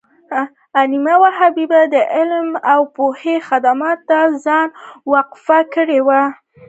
علامه حبیبي د علم او پوهې خدمت ته ځان وقف کړی و.